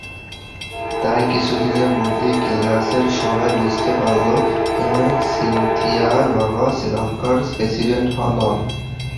তাই কিছুদিনের মধ্যেই ক্লাসের সবাই বুঝতে পারল সিন্থিয়ার বাবা শ্রীলঙ্কার প্রেসিডেন্ট নন।